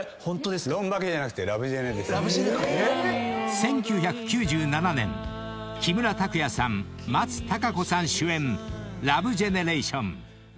［１９９７年木村拓哉さん松たか子さん主演『ラブジェネレーション』］